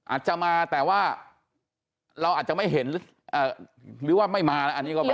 อาจจะมาแต่ว่าเราอาจจะไม่เห็นหรือว่าไม่มานะอันนี้ก็ไม่